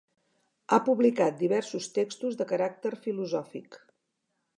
Ha publicat diversos textos de caràcter filosòfic.